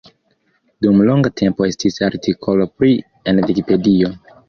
Dum longa tempo estis artikolo pri en Vikipedio.